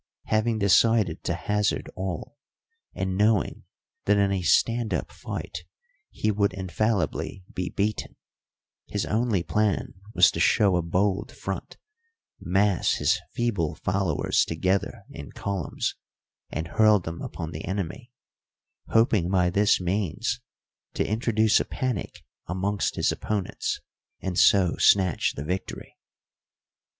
Having decided to hazard all, and knowing that in a stand up fight he would infallibly be beaten, his only plan was to show a bold front, mass his feeble followers together in columns, and hurl them upon the enemy, hoping by this means to introduce a panic amongst his opponents and so snatch the victory.